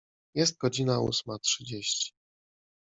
Jest godzina ósma trzydzieści.